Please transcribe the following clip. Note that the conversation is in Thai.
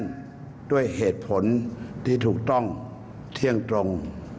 ด้วยเหตุผลที่ถูกต้องเที่ยงตรง